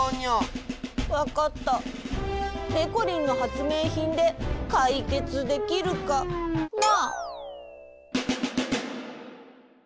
わかった。でこりんのはつめいひんでかいけつできるかな？